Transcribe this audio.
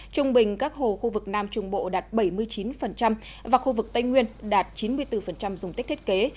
trung bình các hồ khu vực nam trung bộ đạt bảy mươi chín và khu vực tây nguyên đạt chín mươi bốn dùng tích thiết kế